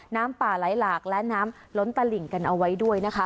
น้ำป่าไหลหลากและน้ำล้นตลิ่งกันเอาไว้ด้วยนะคะ